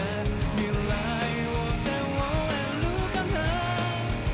「未来を背負えるかな？」